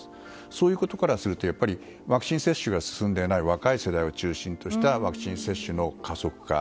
そういうことからするとワクチン接種が進んでいない若い世代を中心としたワクチン接種の加速化。